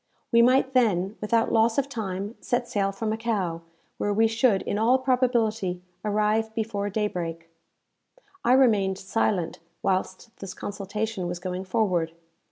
We might then, without loss of time, set sail for Macao, where we should, in all probability, arrive before daybreak. I remained silent whilst this consultation was going forward.